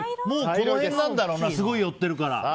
もう、この辺なんだろうなすごい寄ってるから。